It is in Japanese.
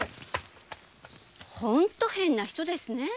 本当に変な人ですね。